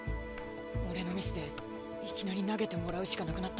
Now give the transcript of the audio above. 俺のミスでいきなり投げてもらうしかなくなった。